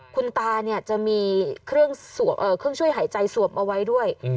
คุณตาจะมีเครื่องช่วยหายใจสวมเอาไว้ด้วย